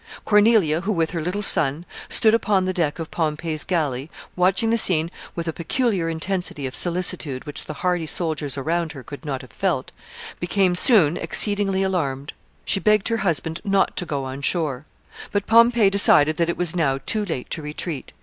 Cornelia, who, with her little son, stood upon the deck of Pompey's galley, watching the scene with a peculiar intensity of solicitude which the hardy soldiers around her could not have felt, became soon exceedingly alarm ad. She begged her husband Dot to go on shore. But Pompey decided that it was now too late to retreat.